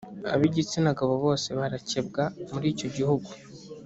ab’igitsina gabo bose barakebwa muri icyo gihugu